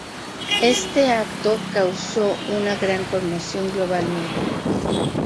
Este acto causo una gran conmoción globalmente.